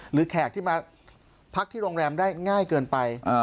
แขกที่มาพักที่โรงแรมได้ง่ายเกินไป